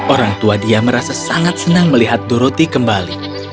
orang tua dia merasa sangat senang melihat doroti kembali